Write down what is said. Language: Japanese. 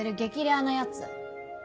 レアなやつ。